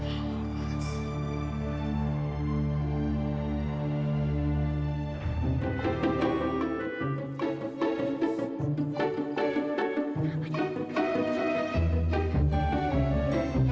kita coba lihat di dalam